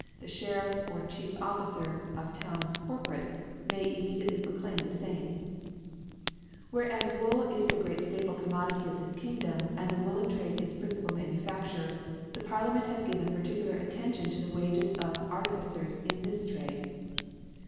* the Sheriff, or Chief Officer of Towni^ ^ Corporate, may ioimediately proclaim the * fame */ And whereas Wool' is the giieat Staple Commodity of this Kingdom, and theWooI ^ kn Trade its principal Manufafhire, the parliament have girea particular Atcehtiooi J(o the Wages of Artificers in this Trade.